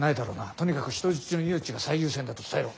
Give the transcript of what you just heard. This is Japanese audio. とにかく人質の命が最優先だと伝えろ。